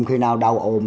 khi nào đau ôm